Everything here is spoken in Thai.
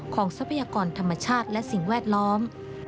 ทรัพยากรธรรมชาติและสิ่งแวดล้อม